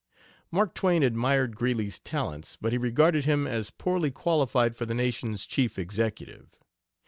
Mark Twain admired Greeley's talents, but he regarded him as poorly qualified for the nation's chief executive.